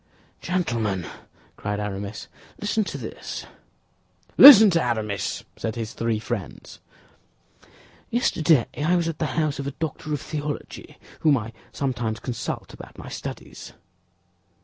"Gentlemen," cried Aramis, "listen to this." "Listen to Aramis," said his three friends. "Yesterday I was at the house of a doctor of theology, whom I sometimes consult about my studies."